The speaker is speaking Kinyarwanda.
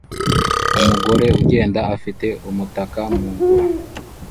Umugore ugenda afite umutaka mu mvura